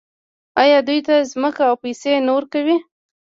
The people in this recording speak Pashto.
آیا دوی ته ځمکه او پیسې نه ورکوي؟